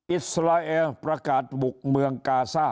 อิสราเอลประกาศบุกเมืองกาซ่า